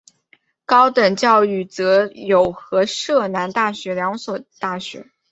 高等教育则有和摄南大学两所大学。